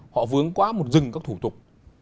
họ vướng quá một rừng các thủ tục